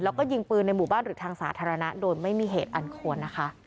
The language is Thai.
แล้วก็ยิงปืนในหมู่บ้านหรือทางสาธารณะโดยไม่มีเหตุอันควรนะคะ